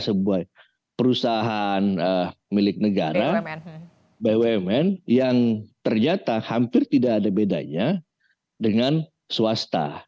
sebuah perusahaan milik negara bumn yang ternyata hampir tidak ada bedanya dengan swasta